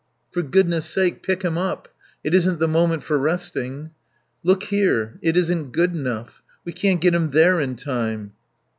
"For goodness' sake pick him up. It isn't the moment for resting." "Look here it isn't good enough. We can't get him there in time."